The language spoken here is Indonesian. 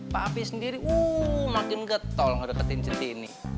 pak pi sendiri wuuu makin getol ngedeketin centini